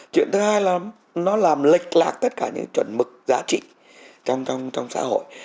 chuyện thứ hai là nó làm lệch lạc tất cả những chuẩn mực giá trị trong xã hội